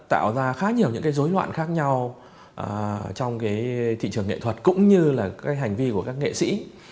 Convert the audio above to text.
tạo ra khá nhiều những dối loạn khác nhau trong thị trường nghệ thuật cũng như hành vi của các nghệ sĩ